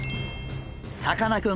さかなクン